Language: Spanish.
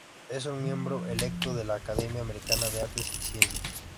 Es un miembro electo de la Academia Americana de Artes y Ciencias.